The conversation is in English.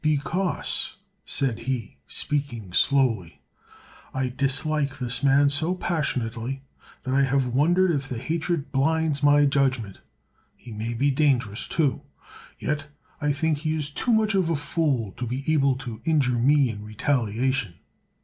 "Because," said he, speaking slowly, "I dislike this man so passionately that I have wondered if the hatred blinds my judgment. He may be dangerous, too, yet I think he is too much of a fool to be able to injure me in retaliation.